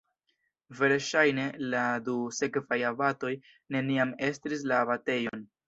Verŝajne la du sekvaj abatoj neniam estris la abatejon.